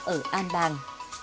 ở an bàng